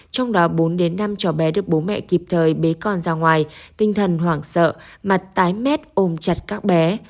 trong đó bốn đến năm cháu bé được bố mẹ kịp thời bế con ra ngoài tinh thần hoảng sợ mặt tái mét ôm chặt các bé